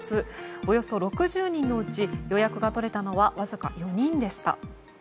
およそ６０人のうち予約が取れたのはわずか４人でした。